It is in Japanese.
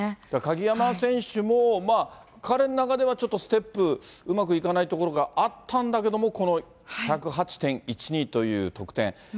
だから、鍵山選手も彼ん中ではちょっとステップ、うまくいかないところがあったんだけども、この１０８．１２という得点。